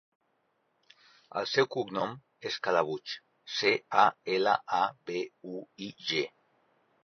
El seu cognom és Calabuig: ce, a, ela, a, be, u, i, ge.